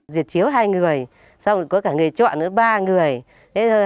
dệt chiếu hai người xong rồi có cả người chọn nữa ba người